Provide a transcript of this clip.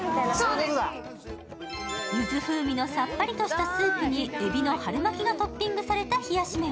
ゆず風味のさっぱりとしたスープにえびの春巻きがトッピングされた冷やし麺。